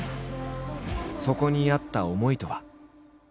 そこにあった思いとは。